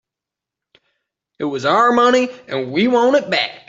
It was our money and we want it back.